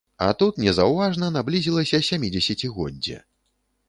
А тут незаўважна наблізілася сямідзесяцігоддзе.